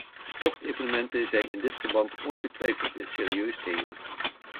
Sportevenementen zijn in dit verband ongetwijfeld een serieus thema.